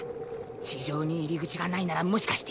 地上に入り口がないならもしかして。